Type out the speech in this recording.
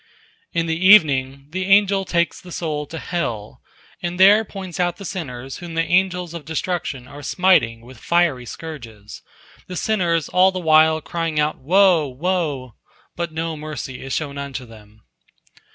In the evening, the angel takes the soul to hell, and there points out the sinners whom the Angels of Destruction are smiting with fiery scourges, the sinners all the while crying out Woe! Woe! but no mercy is shown unto them.